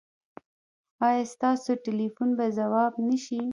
ایا ستاسو ټیلیفون به ځواب نه شي؟